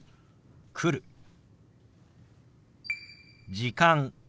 「時間」。